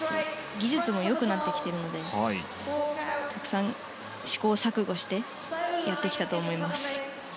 技術も良くなってきているのでたくさん、試行錯誤してやってきたと思います。